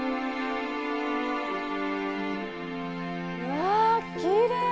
うわぁきれい！